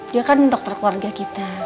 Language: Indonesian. dia kan dokter keluarga kita